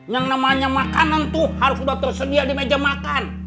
yang namanya makanan tuh harus sudah tersedia di meja makan